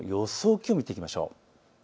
気温、見ていきましょう。